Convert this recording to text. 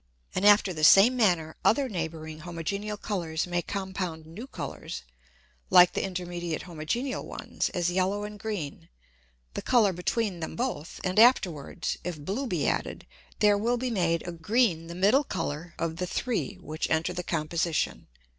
And after the same manner other neighbouring homogeneal Colours may compound new Colours, like the intermediate homogeneal ones, as yellow and green, the Colour between them both, and afterwards, if blue be added, there will be made a green the middle Colour of the three which enter the Composition.